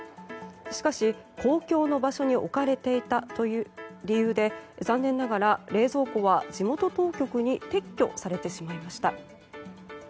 しかし、公共の場所に置かれていたという理由で残念ながら、冷蔵庫は地元当局に撤去されてしまいました。